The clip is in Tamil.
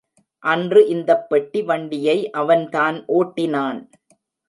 அன்று இந்தப் பெட்டி வண்டியை அவன் தான் ஓட்டினான்.